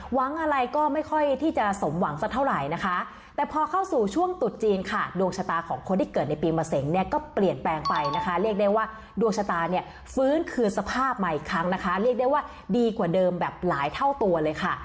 หวังอะไรก็ไม่ค่อยที่จะสมหวังสักเท่าไหร่นะคะแต่พอเข้าสู่ช่วงตุดจีนค่ะดวงชะตาของคนที่เกิดในปีมะเสงเนี่ยก็เปลี่ยนแปลงไปนะคะเรียกได้ว่าดวงชะตาเนี่ยฟื้นคืนสภาพใหม่อีกครั้งนะคะเรียกได้ว่าดีกว่าเดิมแบบหลายเท่าตัวเลยค่ะ